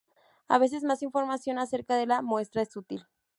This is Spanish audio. A veces más información acerca de la muestra es útil.